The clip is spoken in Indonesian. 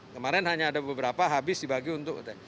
kemarin hanya ada beberapa habis dibagi untuk